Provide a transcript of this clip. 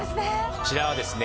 こちらはですね